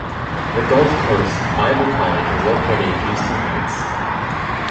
The Gulf Coast Bible College was located in the Houston Heights.